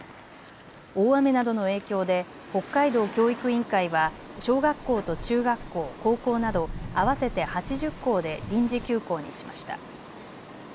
大雨などの影響で北海道教育委員会は小学校と中学校、高校など合わせて８０校で臨時休校にしました。